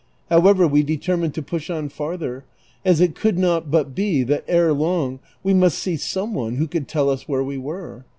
However, we determined to push on farther, as it could not but be that ere long we must see some one who could tell us where we were.